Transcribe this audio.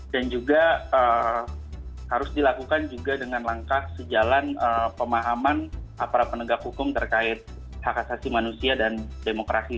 juga harus dilakukan juga dengan langkah sejalan pemahaman aparat penegak hukum terkait hak asasi manusia dan demokrasi